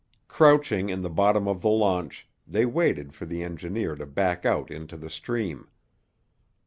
Crouching in the bottom of the launch, they waited for the engineer to back out into the stream.